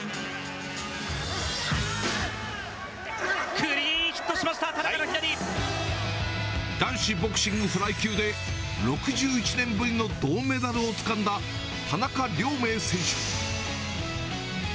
クリーンヒットしました、男子ボクシングフライ級で、６１年ぶりの銅メダルをつかんだ田中亮明選手。